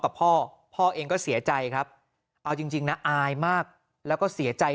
กับพ่อพ่อเองก็เสียใจครับเอาจริงนะอายมากแล้วก็เสียใจ